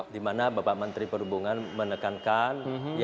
di mana bapak menteri perhubungan menekankan